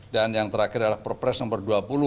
dan yang terakhir adalah perpres nomor dua puluh